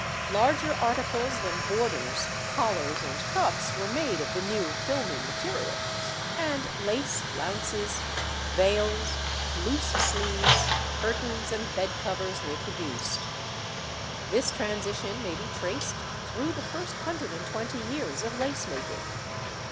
Larger articles than borders, collars, and cuffs were made of the new filmy material, and lace flounces, veils, loose sleeves, curtains, and bed covers were produced. This transition may be traced through the first hundred and twenty years of lace making.